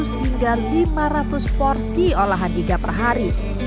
sehingga kita bisa menjual empat ratus hingga lima ratus porsi olahan iga per hari